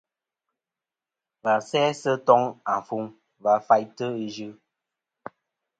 Và sæ sɨ toŋ afuŋ va faytɨ Ɨ yɨ.